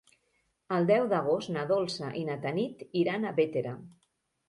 El deu d'agost na Dolça i na Tanit iran a Bétera.